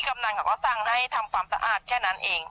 กำนันเขาก็สั่งให้ทำความสะอาดแค่นั้นเอง